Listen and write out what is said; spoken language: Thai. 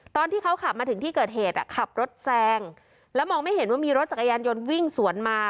ตอนที่เขาขับมาถึงที่เกิดเหตุขับรถแซงแล้วมองไม่เห็นว่ามีรถจักรยานยนต์วิ่งสวนมา